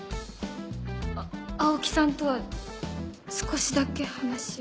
あ青木さんとは少しだけ話を。